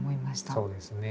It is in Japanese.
そうですね。